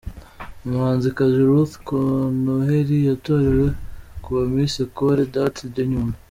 Umuhanzikazi Ruth Kanoheli yatorewe kuba Miss Ecole d'Art de Nyundo.